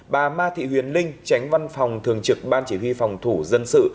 bà ma thị huyền linh tránh văn phòng thường trực ban chỉ huy phòng thủ dân sự